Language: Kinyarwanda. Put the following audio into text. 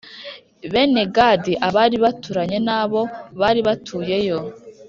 Bene Gadi a bari baturanye na bo bari batuye yo